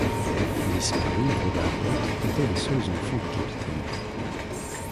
Miss Mary et Robert Grant étaient les seuls enfants du capitaine.